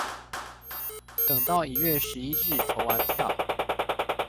等到一月十一日投完票